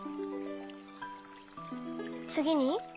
つぎに？